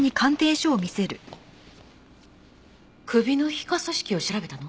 首の皮下組織を調べたの？